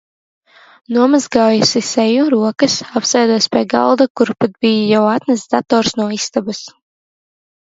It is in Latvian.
Nomazgājusi seju, rokas, apsēdos pie galda, kur pat bija jau atnests dators no istabas.